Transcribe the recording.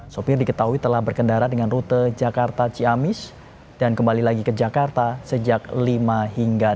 sopir diketahui telah berkendara dengan rute jakarta ciamis dan kembali lagi ke jakarta sejak lima hingga dua ribu